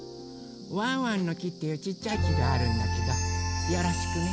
ワンワンの木っていうちっちゃい木があるんだけどよろしくね。